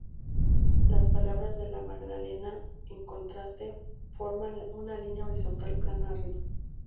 Las palabras de la Magdalena, en contraste, forman una línea horizontal plana arriba.